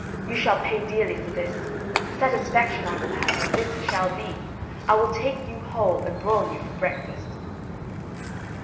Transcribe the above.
You shall pay dearly for this. Satisfaction I will have, and this it shall be, I will take you whole and broil you for breakfast."